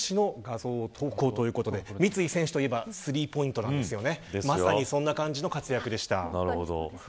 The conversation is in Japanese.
シューター三井寿の画像を投稿していたということで三井選手といえばスリーポイントなんですよね。